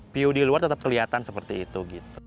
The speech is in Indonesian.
view di luar tetap kelihatan seperti itu